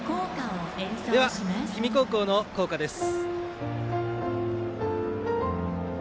では氷見高校の校歌です。